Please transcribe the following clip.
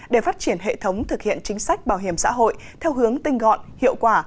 để phát triển hệ thống thực hiện chính sách bảo hiểm xã hội theo hướng tinh gọn hiệu quả